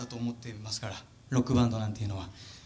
ロックバンドなんていうのは。